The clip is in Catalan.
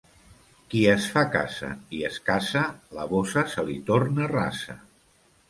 Qui es fa casa i es casa, la bossa se li torna rasa.